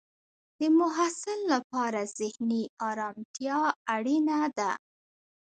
د محصل لپاره ذهنی ارامتیا اړینه ده.